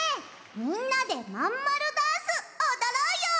みんなでまんまるダンスおどろうよ。